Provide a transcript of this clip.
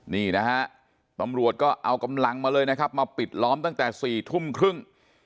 นี่นะฮะตำรวจก็เอากำลังมาเลยนะครับมาปิดล้อมตั้งแต่๔ทุ่มครึ่ง